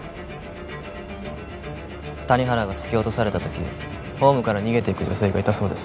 谷原が突き落とされた時ホームから逃げていく女性がいたそうです